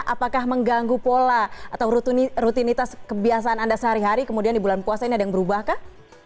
apakah mengganggu pola atau rutinitas kebiasaan anda sehari hari kemudian di bulan puasa ini ada yang berubah kah